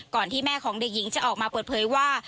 ที่แม่ของเด็กหญิงจะออกมาเปิดเผยว่า